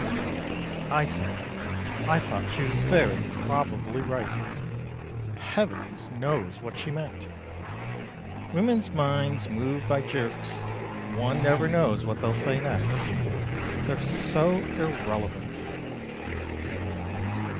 I said I thought she was very probably right. Heavens knows what she meant. Women's minds move by jerks, one never knows what they'll say next. They're so irrelevant.